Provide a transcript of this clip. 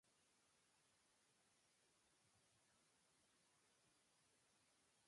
その次の日も僕らは見た。全く同じだった。